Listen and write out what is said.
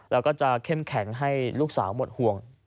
แล้วก็จะเข้มแข็งให้ลูกสาวหมดห่วง